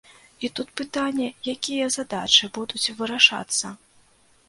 І тут пытанне, якія задачы будуць вырашацца.